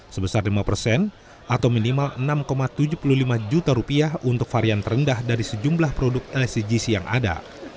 sebesar lima persen atau minimal enam tujuh puluh lima juta rupiah untuk varian terendah dari sejumlah produk lcgc yang ada